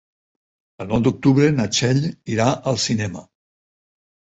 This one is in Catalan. El nou d'octubre na Txell irà al cinema.